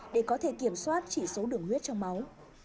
để có thể kiểm soát chỉ số đường huyết trong máu